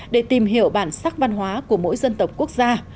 để tìm hiểu bản sắc văn hóa của mỗi dân tộc quốc gia